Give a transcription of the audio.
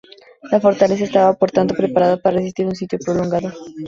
La fortaleza estaba por tanto preparada para resistir un sitio prolongado.